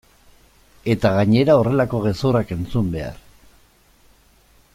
Eta gainera horrelako gezurrak entzun behar!